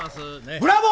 ブラボー！